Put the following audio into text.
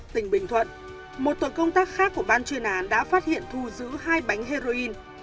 tỉnh bình thuận một tội công tác khác của ban chuyên án đã phát hiện thu giữ hai bánh heroin